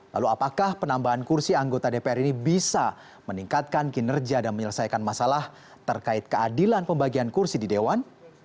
lalu apakah penambahan kursi anggota dpr ini bisa meningkatkan kinerja dan menyelesaikan masalah terkait keadilan pembagian kursi di dewan